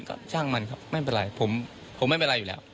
ก็ช่างมันครับไม่เป็นไรผมไม่เป็นไรอยู่แล้ว